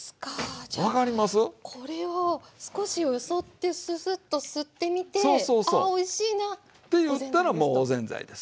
じゃあこれを少しよそってすすっと吸ってみてああおいしいな。って言ったらもうおぜんざいですわ。